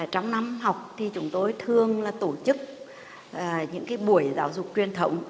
trong năm học thì chúng tôi thường là tổ chức những buổi giáo dục truyền thống